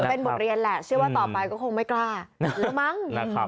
เป็นบทเรียนแหละเชื่อว่าต่อไปก็คงไม่กล้าแล้วมั้งนะครับ